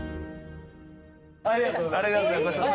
ありがとうございます。